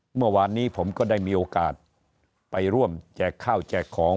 เมื่อวานนี้ผมก็ได้มีโอกาสไปร่วมแจกข้าวแจกของ